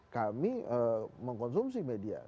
kami mengkonsumsi media